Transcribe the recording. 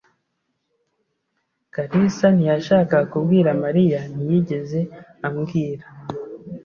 kalisa ntiyashakaga kubwira Mariya. Ntiyigeze ambwira.